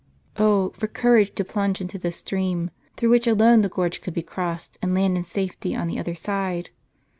Oh, for courage to plunge into this stream, through which alone the gorge could be crossed, and land in safety on the other side